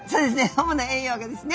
主な栄養がですね